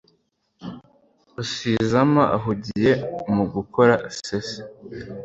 Rusizama ahugiye mu gukora se se.